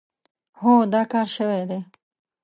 هو، دا کار شوی دی.